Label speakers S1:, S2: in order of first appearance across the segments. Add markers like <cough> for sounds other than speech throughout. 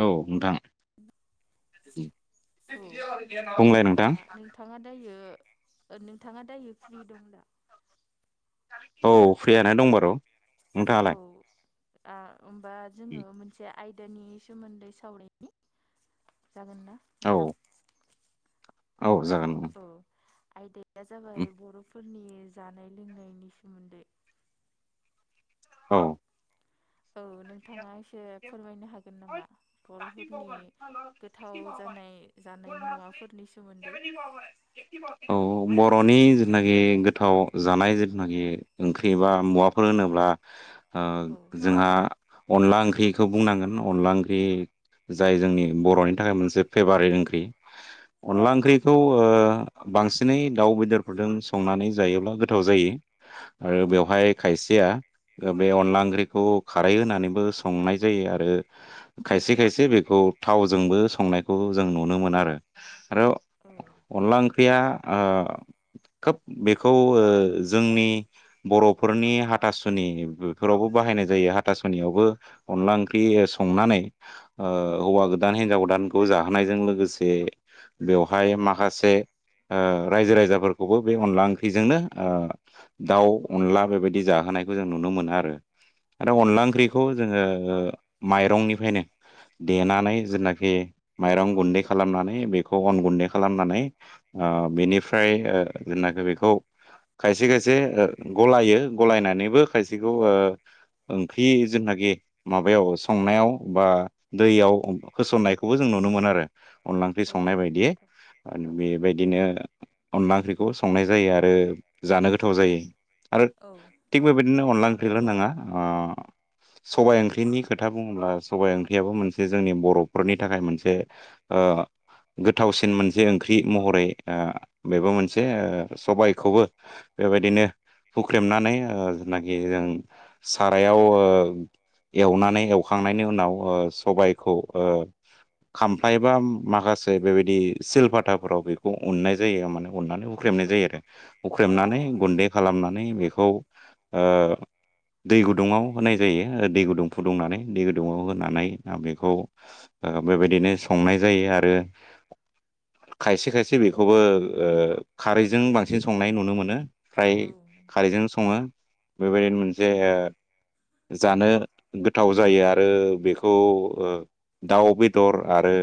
S1: औ नोंथां।
S2: औ
S1: बुंंलाय नोंथां।
S2: होमबा नोंथाङा दायो नोंथाङा दायो फ्रि दं दा?
S1: औ फ्रियानो दं बार'।
S2: औ
S1: नोंथाङालाय
S2: होनबा जोङो मोनसे आइदि दनि सोमोन्दै सावरायनि जागोन ना
S1: औ
S2: नोंथां?
S1: औ जागोन।
S2: औ आयदाया जाबाय बर' फोरनि जानाय लोंनायनि सोमोन्दै
S1: औ। ब
S2: नोथाङा एसे फोरमायनो हागोन नामा बर'फोरनि गोथाव जानाय जानाय मुवाफोरनि सोमोन्दै
S1: औ बर'नि जिथुनाखि गोथाव जानाय जिथुनाखि ओंख्रि बा मुवाफोर होनोब्ला ओ
S2: औ
S1: जोंहा अनला ओंख्रिखौ बुंनांगोन अनला ओंख्रि जाय जोंनि बर'नि थाखाय मोनसे फेभारेट ओंख्रि।
S2: औ
S1: अनला
S2: नंगौ
S1: ओंख्रिखौ बांसिन एनै दाउ बेदरफोरजों संनानै जायोब्ला गोथाव जायो।
S2: औ
S1: आरो बेवहाय
S2: नंगौ
S1: खायसेया बे अनला ओंख्रिखौ खार नानै सनाय जायो आरो खसे खायसे बेखौ थावजोंबो संनायखौ जों आं नुनो मोन आरो आरो
S2: औ
S1: अनला ओंख्रिया खोब बेखौ जोंनि बर'फोरनि हाथासुनिफोरावबो बाहायनाय जायो। आाथासनियावबो अनला ओंख्रि संनानै
S2: औ
S1: हौवा गोदान हिनजाव गोदान खौ जाहोनायजों लोगोसे बेवहाय माखासे ओ रायजो राजाफोरखौबो बे अनला ओंख्रिजोंनो दाउ अनला बेबायदि जाहोनो नायखौ जों नुनो मोनो आरो
S2: औ
S1: अनला
S2: नंगौ
S1: ओंख्रिखौ जोङो माइरंनिफ्रायनो देनानै जेनाखि माइरं गुन्दै खालामनानै बेखौ अन गुन्दै खालामनानै बेनिफ्राय जेनाखि बेखौ खायसे खायसे गलायो गलायनानैबो खायसेखौ ओ ओंख्रि जेनाखि माबायाव संनायाव बा दैयाव होसननायखौबो जों नुनो मोन आरो अनला ओंख्रि
S2: औ
S1: संनाय बायदियै
S2: नोंथां
S1: आरो
S2: औ
S1: बेबायदिनो अनला ओंख्रिखौ संनाय जायो आरो जानो गोथाव जायो आरो
S2: औ
S1: थिग बेबायदिनो अनला ओंख्रैल नङा सबाइ ओंख्रिनि खोथा बुङोब्ला सबाइ ओंख्रियाबो मोनसे जोंनि बर'फोरनि थाखाय मोनसे ओ गोथावसिन मोनसे ओंख्रि महरै बेबो मोनसे सबायखौबो बेबायदिनो हुख्रेमनानै जनाखि जों सारायाव एवनानै एवखांनायनि उनाव सबायखौ खामफ्लबा माखासे बेबायदि सिलपाथाफोराव बेखौ अननाय जायो माने अननानै उग हुख्रेमनाय जायो आरो
S2: औ औ
S1: हख्रेमनानै गुन्दै खालामनानै बेखौ ओ दै गुदुाव होनाय जायो दै गुदुं फुदुंनानै दै गुदुङाव होनानै बेखौ बेबायदिनो संनाय जायो आरो खायसे खायसे बेखौबो खारैजों बांसिन संनाय नुनो मोनो। फ्राय
S2: औ
S1: खारैजों सङो बेबायदिनो मोनसे जानो गोथाव जायो आरो बेखौ दाउ बेदर आरो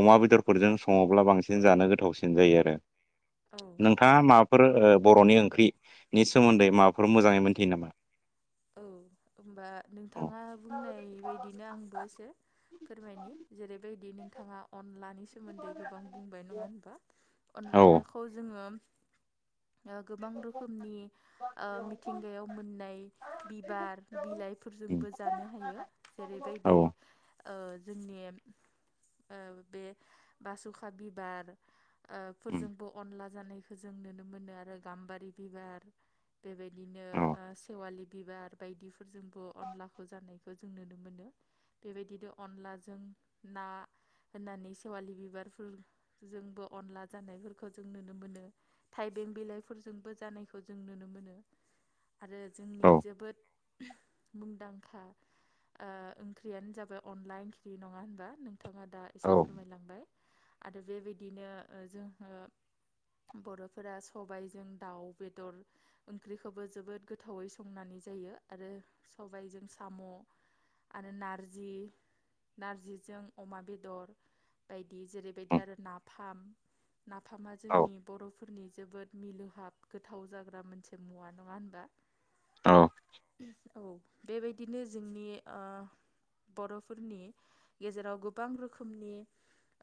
S1: अमा बेदरफोरजों सङोब्ला बांसिन जानो गोथावसिन जायो आरो
S2: औ
S1: नोंथाङा मा फोर बर'नि ओंख्रिनि सोमोन्दै माबाफोर मोजाङै मोनथियो नामा?
S2: औ होनबा
S1: औ
S2: नोंथाङा बुंनाय बायदिनो आंबो‌ एसे फोरमायनि जेरैबायदि नोंथाङा अनलानि सोमोन्दै गोबां बुंबाय नङा होनबा
S1: औ
S2: अनलाखौ जोङो गोबां रोखोमनि मिथिंगायाव मोननाय बिबार
S1: उम
S2: बिलाइफोरजोंबो जानो हायो
S1: औ
S2: जेरैबायदि ओ जोंनि बे बासुखा बिबार ओ
S1: उम
S2: फोरजोंबो अनला जानायखौ जों नुनो मोनो आरो गाम्बारि बिबार बेबायदिनो
S1: औ
S2: ओ सेवालि बिबार बायदिफोरजोंबो अनलाखौ जानायखौ जों नुनो मोनो बेबायदिनो अनलाजों ना होननानै सेवालि बिबारफोरजोंबो अनला जानायफोरखौ जों नुनो मोनो थाइबें बिलाइफोरजोंबो जानायखौ जों नुनो मोनो आरो जोंनि
S1: औ
S2: जोबोद मुंदांखा ओ ओंख्रियानो जाबाय अनला ओंख्रि नङा होनबा बिथाङा दा
S1: औ
S2: एसे फोरमायलांबाय आरो बेबायदिनो ओ जोंहा बर'फोरा सबायजों दाउ बेदर ओंख्रिखौबो जोबोद गोथावै सं संनानै जायो आरो सबायजों साम' आरो नारजि नारजिजों अमा बेदर बायदि जेरैबायदि आरो नाफाम नाफामा
S1: औ
S2: जोंनि बर' फोरनि जोबोद मिलोहाब गोथाव जाग्रा मोनसे मुवा नङा होनबा औ बेबायदिनो जोंनि ओ बर'फोरनि गेजेराव गोबां रोखोमनि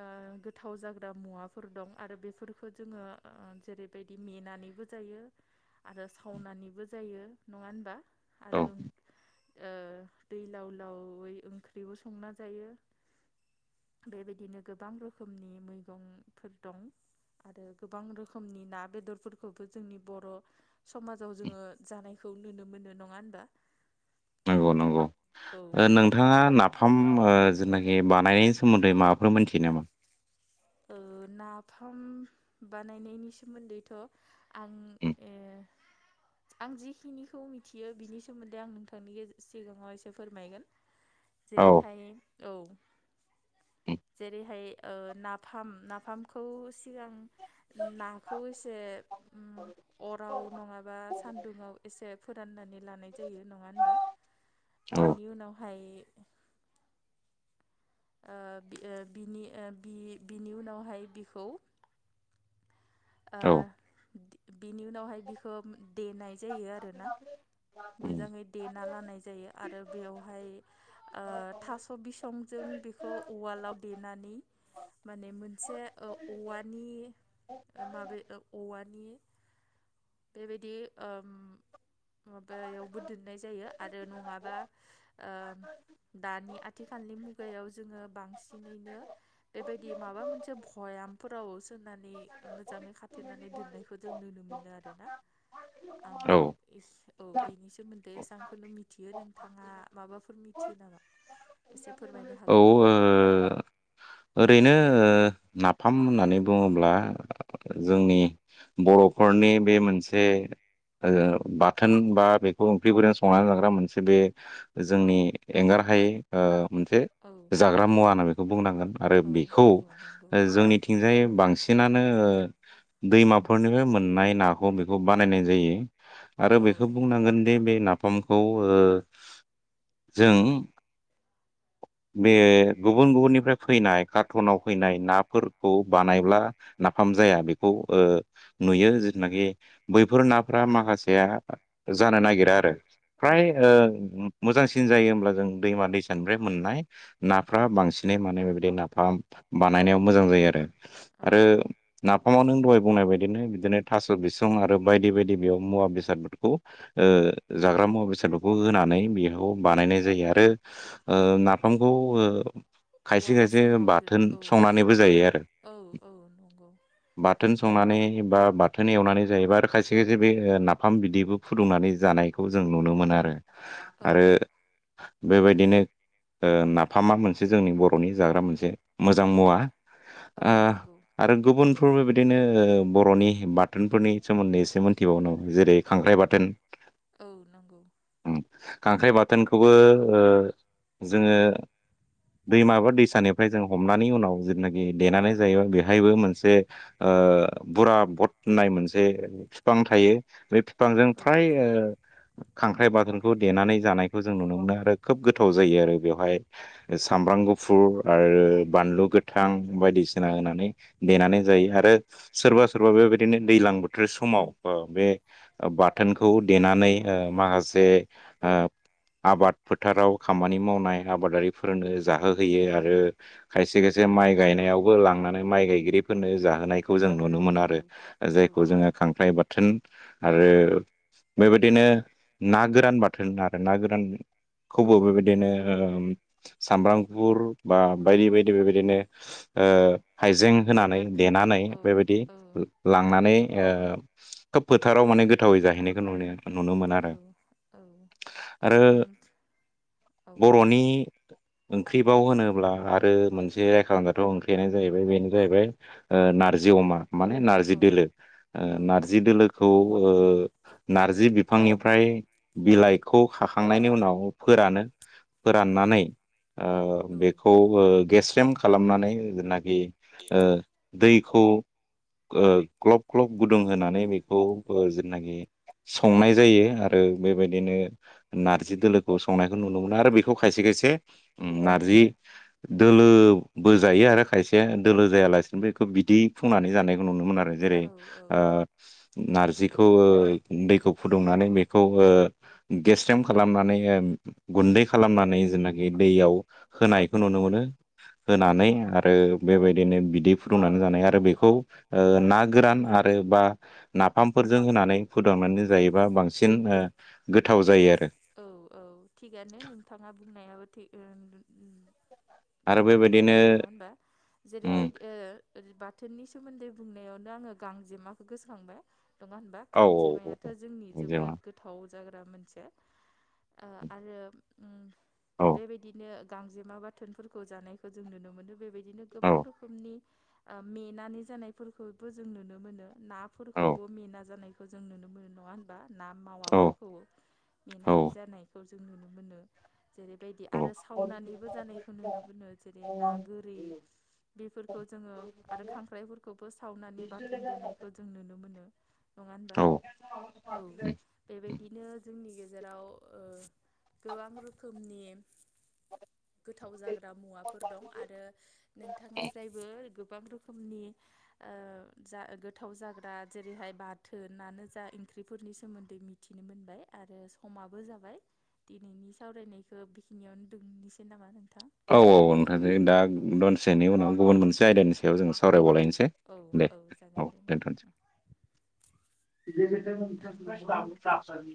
S2: ओ गोथाव जाग्रा मुवाफोर दं आरो बेफोरखौ जोङो जेरैबायदि मेनानै जोंङो आरो सावनानैबो जायो नंङा होमबा
S1: औ
S2: आरो ओ दै लाव लावै ओंख्रिबो संना जायो बेबायदिनो गोबां रोखोमनि मैगंफोर दं आरो गोबां रोखोमनि ना बेदरफोरखौबो जोंनि बर' समाजाव जोङो जानायखौ नुनो मोनो नङा होनबा
S1: नंगौ नंगौ
S2: औ
S1: नोंथाङा नाफाम ओ जेनाखि बानायनायनि सोमोन्दै माबाफोर मोनथियो नामा?
S2: नाफाम बानायनायनि सोमोन्दैथ' आं
S1: ए
S2: ओ आं जिखिनिखौ मिथियो बिनि सोमोन्दै आं नोंथांनि सिगाङाव एसे फोरमायगोन
S1: औ
S2: जेरैहाय औ
S1: उम
S2: जेरैहाय ओ ना नाफाम नाफामखौ सिगां नाखौ एसे अराव नङाबा सान्दुंङाव एसे फोराननानै लानाय जायो नङा होनबा
S1: औ
S2: बेनि उनावहाय ओ बिनि बिनि उनावहाय बिखौ ओ
S1: औ
S2: बिनि उनावहाय बिखौ देनाय जायो आरोना
S1: उम
S2: मोजाङै देना लानाय जायो आरो बेयावहाय ओ थास' बिसंजों बेखौ उवालाव देनानै माने मोनसे औवानि माबे औवानि बेबायदि माबायावबो दोननाय जायो आरो नङाबा। दानि आथिखालनि मुगायाव जोङो बांसिनैनो बेबायदि माबा मोनसे भया बथलफोराव सोनानै मोजाङै खाथेनानै दोननायखौ जों नुनो मोनो आरोना आं
S1: औ
S2: एसे औ बेनि सोमोन्दै एसेबांखौनो मिथियो नोंथाङा माबाफोर मिथियो नामा? एसे फोरमायनो हागोन नामा?
S1: ओ ओरैनो नाफाम होननानै बुङोब्ला जोंनि बर' न'खरनि बे मोनसे ओ बाथोन बा बेखौ ओंख्रिफोरजों संनानै जाग्रा मोनसे बे जोंनि एंगार गाहाय ओ मोनसे
S2: औ
S1: जाग्रा मुवा होनना बेखौ बुंनांगोन। आरो
S2: औ
S1: बेखौ
S2: औ नंगौ
S1: जोंनिथिंजायै बांसिनानो दैमाफोरनिफ्राय मोननाय नाखौ बेखौ बानायनाय जायो। आरो
S2: औ
S1: बेखौ
S2: नोंथां
S1: बुंनांगोन दि बे ना फामखौ जों बे गुबुन गुबुननिफ्राय फैनाय कार्टनाव फैनाय नाफोरखौ बानायब्ला नाफाम जाया बेखौ ओ नुयो जिथुनाखि बैफोर नाफोरा माखासेया जानो नागिरा आरो
S2: औ
S1: फ्राय
S2: औ
S1: ओ मोजांसिन जायो होमब्ला जों दैमा दैसानिफ्राय मोननाय
S2: औ
S1: नाफ्रा बांसिनै माने बेबायदि नाफाम बानायनायाव मोजां जायो आरो।
S2: औ
S1: आरो नाफामाव नों बुंनाय बायदिनो बिदिनो थास' बिसं आरो बायदि बायदि बेयाव मुवा बेसादफोरखौ ओ जाग्रा मुवा बेसादफोरखौ होनानै बियाव खौ
S2: औ
S1: बानायनाय जायो आरो ओ नाफामखौ
S2: औवा हासुं
S1: बिदिनो बाथोन संनानै बो जायो आरो
S2: औ औ नंगौ
S1: बाथोन संनानै बा बाथोन एवनानै जायोबा आरो खायसे खायसे बे नाफाम बिदैबो फुदुंनानै जानायखौ जों जों नुनो मोनो आरो।
S2: औ
S1: आरो बेबायदिनो ओ नाफामा मोनसे जोंनि बर'नि जाग्रा मोनसे मोजां मुवा।
S2: औ
S1: ओ
S2: नंगौ
S1: आरो गुबुन फोरबो बिदिनो बर'नि बाथोनफोरनि सोमोन्दै एसे मोनथिबावनांगौ जेरै खांख्राइ बाथोन
S2: औ नंगौ।
S1: उम खांख्राइ बाथोनखौबो जोङो दैमाबा दै सानिफ्राय जों हमनानै उनाव जिथुनाखि देनानै जायो बेहायबो मोनसे ओ बुरा भट होननाय मोनसे बिफां थायो बे बिफांजों
S2: औ
S1: फ्राय खांख्राइ बाथोनखौ देनानै जानायखौ जों नुनो मोनो आरो खोब गोथाव जायो आरो बेवहाय सामब्राम गुफुर आरो बानलु गोथां बायदिसिना होनानै देनानै जायो आरो सोरबा सोरबा बे बेबायदिनो दैज्लां बोथोर समाव बे बाथोनखौ देनानै माखासे ओ आबाद फोथाराव खामानि
S2: औ
S1: मावनाय आबादारिफोरनो जाहो होयो आरो आरो खायसे खायसे माइ गायनायावबो लांनानै माइ गायगिरिफोरनो जाहोनायखौ जों नुनो मोनो
S2: औ
S1: आरो
S2: औ
S1: जायखौ
S2: नंगौ
S1: जोङो खांख्राइ बाथोन आरो बेबायदिनो ना गोरान बाथोन आरो ना गोरान खौबो बेबायदिनो सामब्रामफुर बा बायदि बायदि बेबायदिनो ओ
S2: औ
S1: हाइजें होनानै
S2: गंगार दुन्दिया
S1: देनानै
S2: औ
S1: बेबायदि
S2: औ
S1: लांनानै ओ खोब फोथाराव माने गोथावै जाहैनायखौ नुनो नुनो मोनो आरो
S2: औ औ औ
S1: आरो
S2: नोंगौ औ
S1: बर'नि
S2: नोंथां।
S1: ओंख्रिबाव होनो होनोमब्ला आरो मोनसे खालामजाथाव बेनो जाहैबाय बेनो जाहैबाय ओ नारजि अमा। माने
S2: औ
S1: नारजि दोलो
S2: औ
S1: नारजि दोलोखौ ओ नारजि बिफांनिफ्राय बिलाइखौ खाखांनायनि उनाव फोरानो। फोराननानै। ओ
S2: औ
S1: बेखौ ओ गेस्रेम खालामनानै जेनाखि ओ दै। खौ ओ ग्लब ग्लब गुदुं होनानै बेखौ ओ जेनाखि संनाय जायो आरो बेबायदिनो नारजि दोलोखौ संनायखौ नुनो मोनो आरो बेखौ खायसे खायसे नारजि दोलो बो जायो आरो खायसेया दोलो जायालासिनोबो बेखौ बिदै फुंनानै जानायखौ नुनो मोन आरो। जैरै
S2: औ
S1: ओ नारजि खौ ओ दैखौ फुदुंनानै बेखौ ओ गेसरेम खालामनानै ओ गुन दै खालामनानै जेनाखि दैयाव होनाय। नुनो मोनो
S2: औ
S1: होनानै आरो बेबाय दिनो बिदै फुदुंनानै जानाय आरो बेखौ ओ ना गोरान आरो बा नाफामफोरजों नानै फुदुंनानै जायोबा बांसिन ओ गोथाव जायो आरो।
S2: औ औ थिगानो नोंथाङा बुंनायाबो थिग <unintelligible>
S1: आरो
S2: गोबां
S1: बेबायदिनो
S2: बुंबाय नङा होनबा जेरैबाय
S1: उम
S2: ओ ओरै बाथोननि सोमोन्दै बुंनायावनो आंङो गांजेमाखौ गोसखांबाय। नङा होनबा
S1: औ
S2: गांजेमायाथ'
S1: औ
S2: जोंनि
S1: औ जेनबा
S2: जोबोद गोथाव जाग्रा मोनसे। ओ आरो उम
S1: औ
S2: बेबायदिनो गांजेमा बाथोनफोरखौ जानायखौ जों नुनो मोनो बेबायदिनो
S1: औ
S2: गोबां रोखोमनि ओ मेनानै जानायफोरखौबो जों नुनो मोनो
S1: औ
S2: नाफोरखौबो मेना जानाय बो जों नुनो मोनो नंङा होनबा ना
S1: औ
S2: मावाफोरखौ मेनानै जानाय जों नुनो मोनो। जेरैबायदि
S1: औ
S2: आरो सावनानैबो जानायखौ नुनो मोनो जेरै ना गोरि। बेफोरखौ जोङो आरो खांख्राइफोरखौबो सावनानै बाथोन देनायखौ जों नुनो मोनो। नंङा होनबा
S1: औ
S2: औ बेबायदिनो जोंनि गे जेराव ओ गोबां रोखोमनि गोथाव जाग्रा मुवाफोर दं आरो नोंथांनिफ्रायबो गो गोबां रोखोमनि ओ जा गोथाव जाग्रा जेरैहाय बाथोनानो जा ओंख्रिफोरनि सोमोन्दै मिथिनो मोनबाय आरो खमाबो जाबाय दिनैनि सावरायनायखौ बेखिनियावनो दोंनोसै नामा नों
S1: औ औ नोंथां दा दनसेनि उनाव गुबुन मोनसे आयदानि सायाव जों सावरायबावलायनो
S2: औ औ जागोन दे नोंथां।
S1: <inaudible>